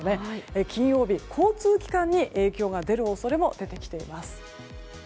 金曜日、交通機関に影響が出る恐れも出てきています。